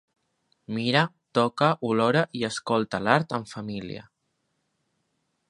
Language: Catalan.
Mira, toca, olora i escolta l'art en família.